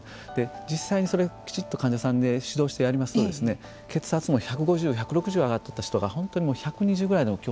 実際にそれきちっと患者さんで指導しますと血圧が１５０、１６０と上がっていた人が本当に１２０ぐらい。